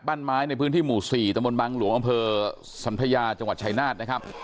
บ้านไม้ในพื้นที่หมู่๔ตะบนบางหลวงอำเภอสันทยาจังหวัดชายนาฏนะครับ